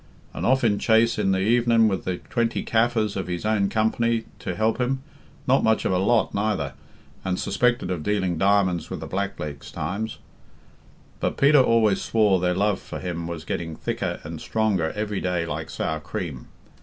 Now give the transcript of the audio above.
And off in chase in the everin' with the twenty Kaffirs of his own company to help him not much of a lot neither, and suspected of dealing diamonds with the blacklegs times; but Peter always swore their love for him was getting thicker and stronger every day like sour cream.